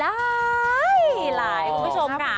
หลายคุณผู้ชมค่ะ